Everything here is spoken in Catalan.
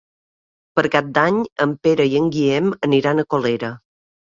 Per Cap d'Any en Pere i en Guillem aniran a Colera.